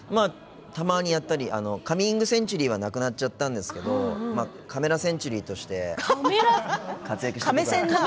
たまにやったりカミング・センチュリーはなくなっちゃったんですけどカメラ・センチュリーとして活躍してます。